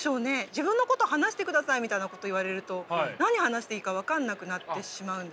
自分のこと話してくださいみたいなこと言われると何話していいか分かんなくなってしまうんですね。